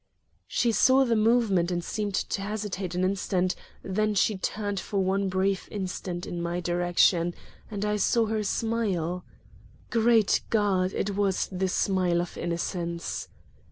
She saw the movement and seemed to hesitate an instant, then she turned for one brief instant in my direction, and I saw her smile. Great God! it was the smile of innocence.